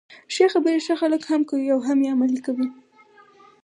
ښې خبري ښه خلک هم کوي او هم يې عملي کوي.